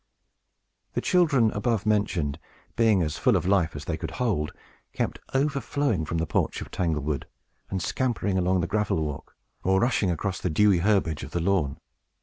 The children above mentioned, being as full of life as they could hold, kept overflowing from the porch of Tanglewood, and scampering along the gravel walk, or rushing across the dewy herbage of the lawn.